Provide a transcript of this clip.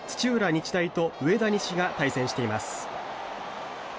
日大と上田西が対戦しています。